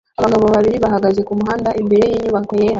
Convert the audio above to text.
Abagabo babiri bahagaze kumuhanda imbere yinyubako yera